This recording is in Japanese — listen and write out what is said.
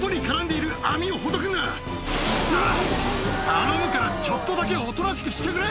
頼むからちょっとだけおとなしくしてくれ。